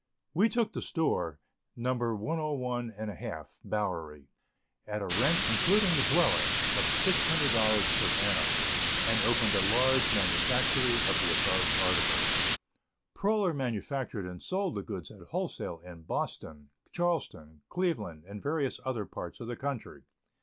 We took the store No. 101½ Bowery, at a rent (including the dwelling) of $600 per annum, and opened a large manufactory of the above articles. Proler manufactured and sold the goods at wholesale in Boston, Charleston, Cleveland, and various other parts of the country.